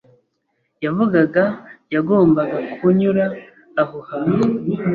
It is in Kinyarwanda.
yavugaga yagombaga kunyura aho hantu,